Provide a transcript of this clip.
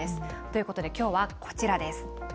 ということで、きょうはこちらです。